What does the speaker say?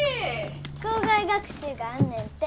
校外学習があんねんて。